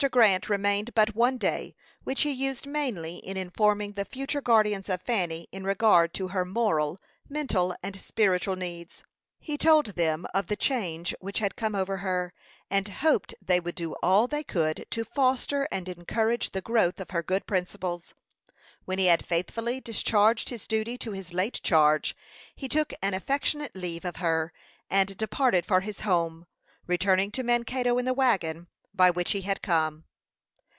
Grant remained but one day, which he used mainly in informing the future guardians of Fanny in regard to her moral, mental, and spiritual needs. He told them of the change which had come over her, and hoped they would do all they could to foster and encourage the growth of her good principles. When he had faithfully discharged his duty to his late charge, he took an affectionate leave of her, and departed for his home, returning to Mankato in the wagon by which he had come.